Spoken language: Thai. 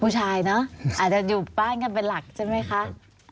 เนอะอาจจะอยู่บ้านกันเป็นหลักใช่ไหมคะ